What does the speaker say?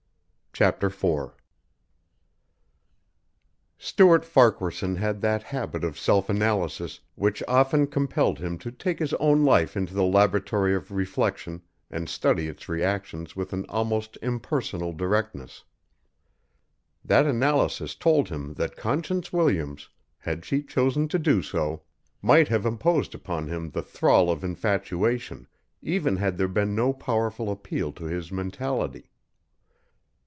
CHAPTER IV Stuart Farquaharson had that habit of self analysis which often compelled him to take his own life into the laboratory of reflection and study its reactions with an almost impersonal directness. That analysis told him that Conscience Williams, had she chosen to do so, might have imposed upon him the thrall of infatuation, even had there been no powerful appeal to his mentality.